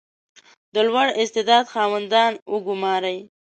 • د لوړ استعداد خاوندان وګمارئ.